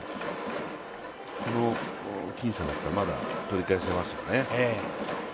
この僅差なら、まだ取り返せますよね。